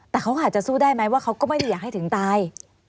แต่เขาก็อาจจะสู้ได้ไหมว่าเขาก็ไม่ได้อยากให้ถึงตาย